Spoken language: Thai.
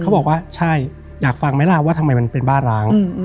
บอกว่าใช่อยากฟังไหมล่ะว่าทำไมมันเป็นบ้านร้าง